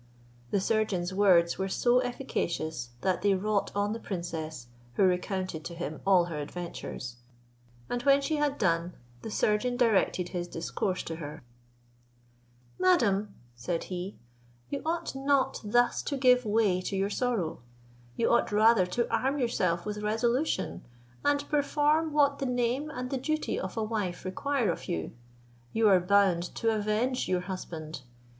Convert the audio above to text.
The surgeon's words were so efficacious, that they wrought on the princess, who recounted to him all her adventures: and when she had done, the surgeon directed his discourse to her; "Madam," said he, "you ought not thus to give way to your sorrow; you ought rather to arm yourself with resolution, and perform what the name and the duty of a wife require of you. You are bound to avenge your husband.